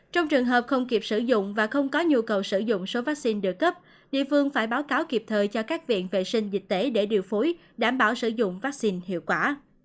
trong trường hợp không kịp sử dụng và không có nhu cầu sử dụng số vaccine được cấp địa phương phải báo cáo kịp thời cho các viện vệ sinh dịch tễ để điều phối đảm bảo sử dụng vaccine hiệu quả